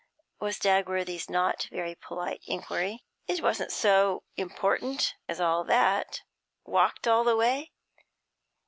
was Dagworthy's not very polite Inquiry. 'It wasn't so important as all that. Walked all the way?'